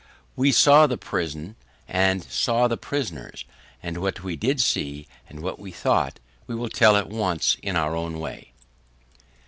We saw the prison, and saw the prisoners; and what we did see, and what we thought, we will tell at once in our own way.